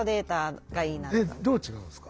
どう違うんですか？